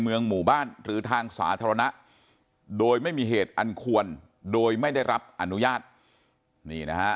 เมืองหมู่บ้านหรือทางสาธารณะโดยไม่มีเหตุอันควรโดยไม่ได้รับอนุญาตนี่นะฮะ